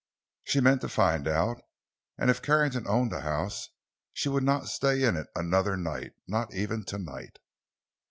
She meant to find out, and if Carrington owned the house, she would not stay in it another night—not even tonight.